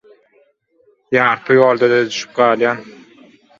Ýarpy ýolda-da düşüp galýan.